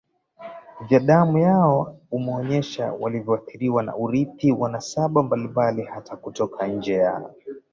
vya damu yao umeonyesha walivyoathiriwa na urithi wa nasaba mbalimbali hata kutoka nje ya